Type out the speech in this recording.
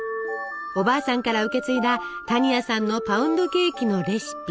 おばあさんから受け継いだ多仁亜さんのパウンドケーキのレシピ。